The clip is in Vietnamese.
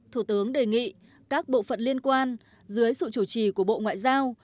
thủ tướng đề nghị các bộ phận liên quan dưới sự chủ trì của bộ ngoại giao